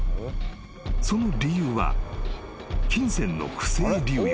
［その理由は金銭の不正流用］